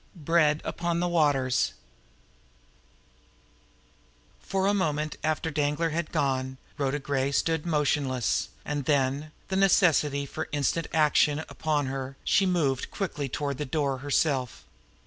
DREAD UPON THE WATERS For a moment after Danglar had gone, Rhoda Gray stood motionless; and then, the necessity for instant action upon her, she moved quickly toward the doorway herself.